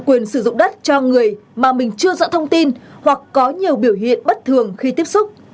quyền sử dụng đất cho người mà mình chưa rõ thông tin hoặc có nhiều biểu hiện bất thường khi tiếp xúc